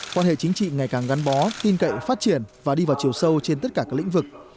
quan hệ chính trị ngày càng gắn bó tin cậy phát triển và đi vào chiều sâu trên tất cả các lĩnh vực